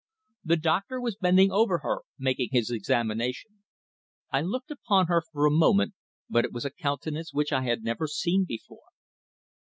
The doctor was bending over her making his examination. I looked upon her for a moment, but it was a countenance which I had never seen before.